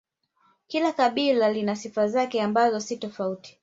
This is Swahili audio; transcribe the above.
kila kabila lina sifa zake ambazo ni tofauti